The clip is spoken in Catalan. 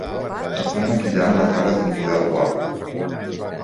Estan maquillant la cara d'un model guapo.